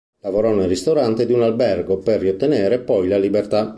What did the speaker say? Lavorò nel ristorante di un albergo, per riottenere poi la libertà.